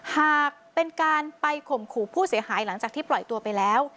หากเป็นการไปข่มขู่ผู้เสียหายหลังจากที่ปล่อยตัวไปแล้ว